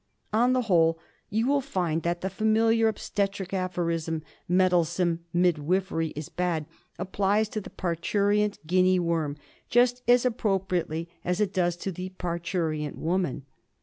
On the whole you will find that the familiar obstetric aphorism, "meddlesome midwifery is bad," applies to the parturient Guinea worm just as appropriately as it does to the parturient woman.